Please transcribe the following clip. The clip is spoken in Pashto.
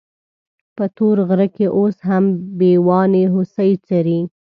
په تور غره کې اوس هم بېواني هوسۍ څري.